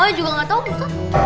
oh juga nggak tau ustadz